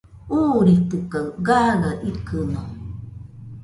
Uuritɨkaɨ gaɨa ikɨno